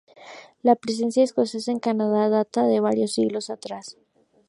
La presencia escocesa en Canadá data de varios siglos atrás.